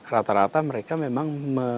rata rata mereka memang